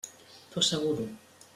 T'ho asseguro.